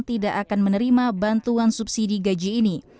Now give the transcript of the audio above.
tidak akan menerima bantuan subsidi gaji ini